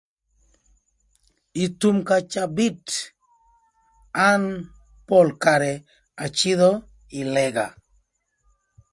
Ï thum ka cabït an pol karë acïdhö ï lëga.